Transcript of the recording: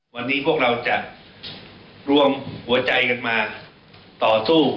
วันนี้พวกเราจะรวมหัวใจกันมาต่อสู้